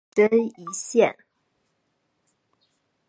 一针一线